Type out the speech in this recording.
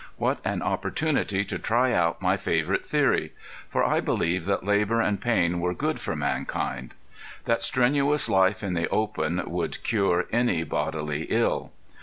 What an opportunity to try out my favorite theory! For I believed that labor and pain were good for mankind that strenuous life in the open would cure any bodily ill.